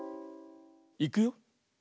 いくよ。